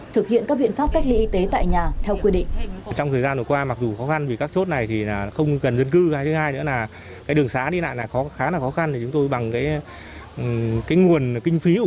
thực hiện các biện pháp cách ly y tế tại nhà theo quy định